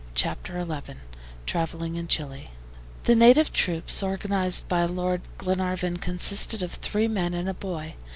CHAPTER XI TRAVELING IN CHILI THE native troops organized by Lord Glenarvan consisted of three men and a boy.